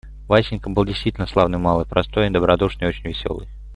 Васенька был действительно славный малый, простой, добродушный и очень веселый.